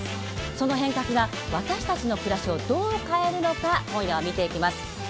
その変革が私たちの暮らしをどう変えるのか今夜は見ていきます。